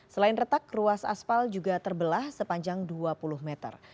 selain retak ruas aspal juga terbelah sepanjang dua puluh meter